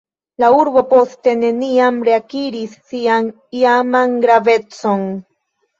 La urbo poste neniam reakiris sian iaman gravecon.